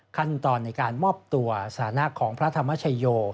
ขั้นตอนในการมอบตัวสถานะของพระธรรมชโย